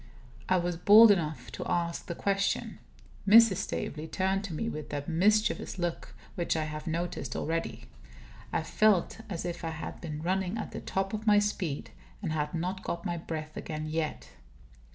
I was bold enough to ask the question. Mrs. Staveley turned to me with that mischievous look which I have noticed already. I felt as if I had been running at the top of my speed, and had not got my breath again, yet.